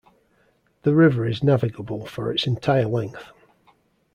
The river is navigable for its entire length.